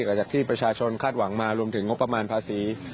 หลังจากที่ประชาชนคาดหวังมารวมถึงงบประมาณภาษี